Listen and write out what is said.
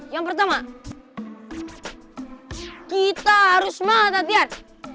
yang pertama kita harus semangat latihan